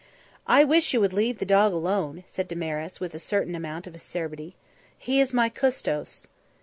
"I wish you would leave the dog alone," said Damaris, with a certain amount of acerbity. "He is my custos."